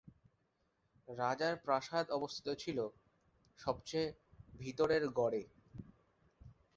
রাজার প্রাসাদ অবস্থিত ছিল সবচেয়ে ভিতরের গড়ে।